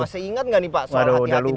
masih ingat nggak nih pak soal hati hati